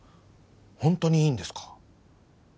ホントにいいんですか？